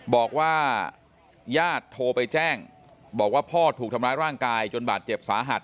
บอกว่าญาติโทรไปแจ้งบอกว่าพ่อถูกทำร้ายร่างกายจนบาดเจ็บสาหัส